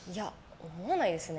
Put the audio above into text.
思わないですね。